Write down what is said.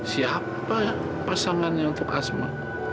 siapa pasangannya untuk asma